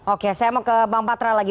oke saya mau ke bang patra lagi